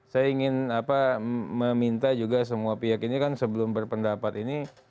saya ingin meminta juga semua pihak ini kan sebelum berpendapat ini